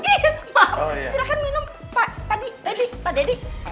oke maaf silahkan minum pak deddy